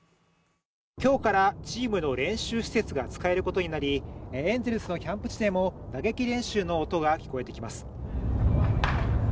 今日からチームの練習施設が使えることになり、エンゼルスのキャンプ地でも打撃練習の音が聞こえてきます。